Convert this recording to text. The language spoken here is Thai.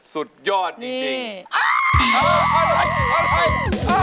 สุดยอดจริง